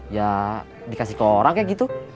ya dikasih ke orang kayak gitu